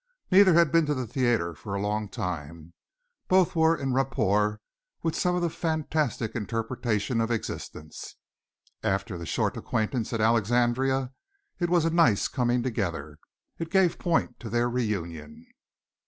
Neither had been to a theatre for a long time; both were en rapport with some such fantastic interpretation of existence. After the short acquaintance at Alexandria it was a nice coming together. It gave point to their reunion.